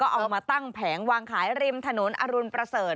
เอามาตั้งแผงวางขายริมถนนอรุณประเสริฐ